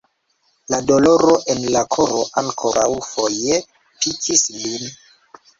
La doloro en la koro ankoraŭfoje pikis lin.